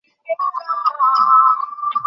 অনেক সময় রুটির অভাব দেখা দিত।